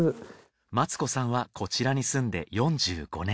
松子さんはこちらに住んで４５年。